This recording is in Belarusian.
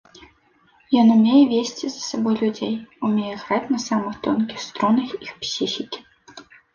Ён умее весці за сабой людзей, умее граць на самых тонкіх струнах іх псіхікі.